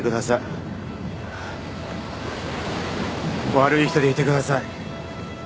悪い人でいてください。